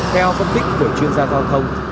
theo phân tích của chuyên gia giao thông